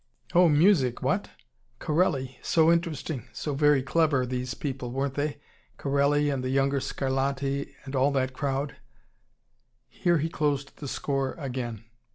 "Oh, MUSIC! What? Corelli! So interesting! So very CLEVER, these people, weren't they! Corelli and the younger Scarlatti and all that crowd." Here he closed the score again.